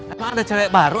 apa ada cewek baru